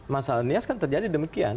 masalah nias kan terjadi demikian